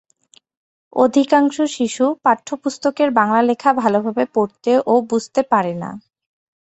অধিকাংশ শিশু পাঠ্যপুস্তকের বাংলা লেখা ভালোভাবে পড়তে ও বুঝতে পারে না।